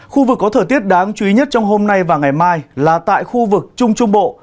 khu vực có thời tiết đáng chú ý nhất trong hôm nay và ngày mai là tại khu vực trung trung bộ